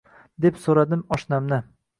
deb so`radim oshnamdan